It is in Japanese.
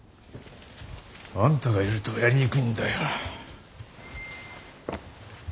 あんたがいるとやりにくいんだよ。